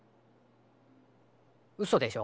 うそでしょ？